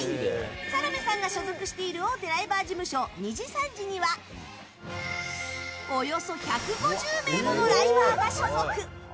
サロメさんが所属している大手ライバー事務所にじさんじにはおよそ１５０名ものライバーが所属。